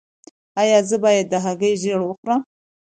ایا زه باید د هګۍ ژیړ وخورم؟